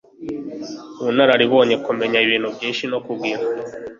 ubunararibonye kumenya ibintu byinshi no kugira